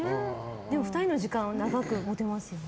でも２人の時間を長く持てますよね。